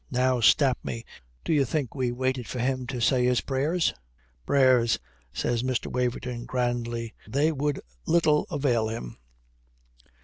"Now, stap me, do you think we waited for him to say his prayers?" "Prayers!" says Mr. Waverton grandly, "They would little avail him."